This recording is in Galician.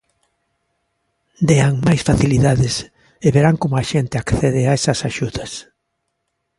Dean máis facilidades e verán como a xente accede a esas axudas.